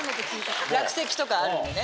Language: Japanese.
落石とかあるんでね。